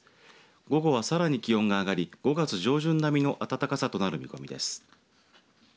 午後は、さらに気温が上がり５月上旬並みの暖かさとなる見込みです。